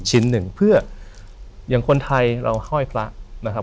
ชิ้นหนึ่งเพื่ออย่างคนไทยเราห้อยพระนะครับ